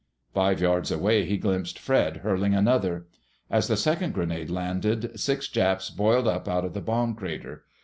Five yards away he glimpsed Fred hurling another. As the second grenade landed six Japs boiled up out of the bomb crater.